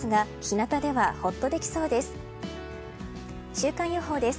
週間予報です。